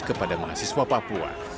kepada mahasiswa papua